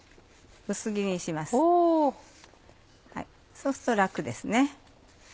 そうすると楽ですね。